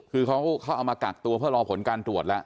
คือเขาเอามากักตัวเพื่อรอผลการตรวจแล้ว